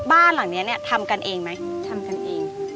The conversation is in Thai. บ้านหลังนี้เนี่ยทำกันเองไหมทำกันเอง